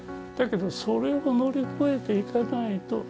だけどそれを乗り越えていかないと。